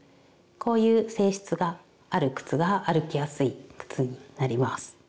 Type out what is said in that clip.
こういう性質がある靴が歩きやすい靴になります。